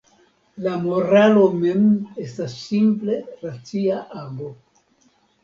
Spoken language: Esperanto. La moralo mem estas simple racia ago.